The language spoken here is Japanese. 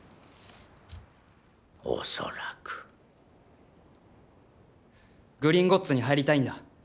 恐らくグリンゴッツに入りたいんだ